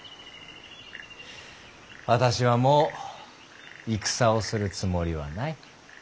私はもう戦をするつもりはない。